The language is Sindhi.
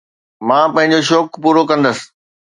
مان پنهنجو شوق پورو ڪندس